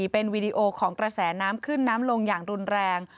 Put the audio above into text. เป็นวีดีโอของกระแสน้ำขึ้นน้ำลงอย่างรุนแรง